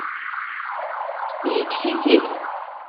Yekkes-it-id?